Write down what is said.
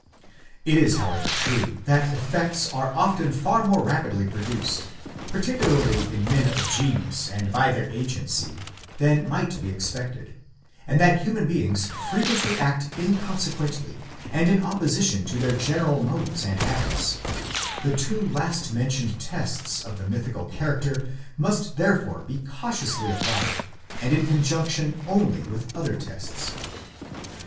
It is however true that effects are often far more rapidly produced, particu larly in men of genius and by their agency, than might be expected ; and that human beings frequently act inconsequently, and in opposition to their general modes and habits; the two last mentioned tests of the mythical character must therefore be cautiously applied, and in conjunction only with other tests.